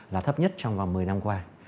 là thấp nhất trong vòng một mươi năm qua